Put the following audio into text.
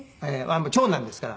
長男ですから。